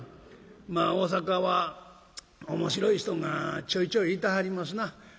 まあ大阪は面白い人がちょいちょいいてはりますな。